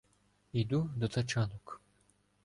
Іду до тачанок.